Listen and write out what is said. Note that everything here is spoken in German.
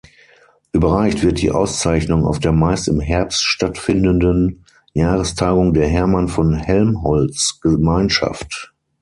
Überreicht wird die Auszeichnung auf der meist im Herbst stattfindenden Jahrestagung der Hermann-von-Helmholtz-Gemeinschaft.